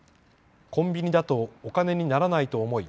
コンビニだとお金にならないと思い